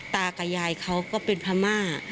ตากับยายเขาก็เป็นพม่า